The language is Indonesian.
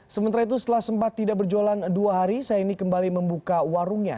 sementara itu setelah sempat tidak berjualan dua hari saini kembali membuka warungnya